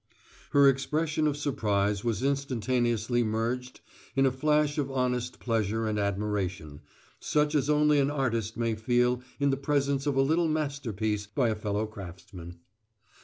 Her expression of surprise was instantaneously merged in a flash of honest pleasure and admiration, such as only an artist may feel in the presence of a little masterpiece by a fellow craftsman.